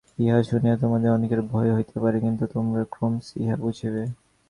ইহা শুনিয়া তোমাদের অনেকের ভয় হইতে পারে, কিন্তু তোমরা ক্রমশ ইহা বুঝিবে।